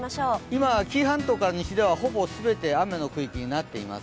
今、紀伊半島から西ではほぼ全て雨の区域になっています。